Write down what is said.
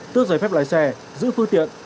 tước giấy phép lái xe giữ phư tiện